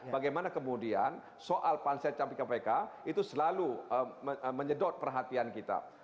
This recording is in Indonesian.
bagaimana kemudian soal pansel capi kpk itu selalu menyedot perhatian kita